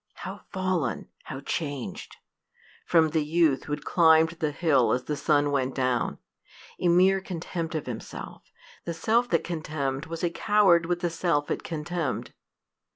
"How fallen, how changed," from the youth who had climbed the hill as the sun went down! A mere contempt of himself, the self that contemned was a coward with the self it contemned!